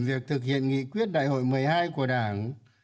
việc thực hiện nghị quyết đại hội một mươi hai của đảng